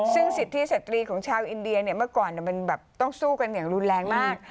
ซึ่งสิทธิสตรีของชาวอินเดียเนี่ยเมื่อก่อนมันแบบต้องสู้กันอย่างรุนแรงมาก